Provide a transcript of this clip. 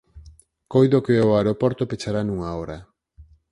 coido que o aeroporto pechará nunha hora.